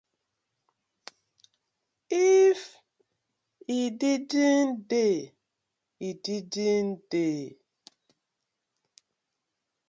If e didnʼt dey, e didnʼt dey.